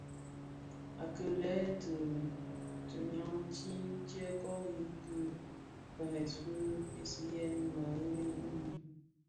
Akilè le tinyamtis tyè kori ki firès fi pisiyèn merėli mii.